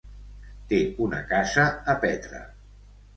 Té una casa a Petra.